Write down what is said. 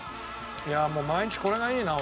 いやもう毎日これがいいな俺。